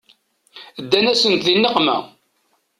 Ddant-asen di nneqma.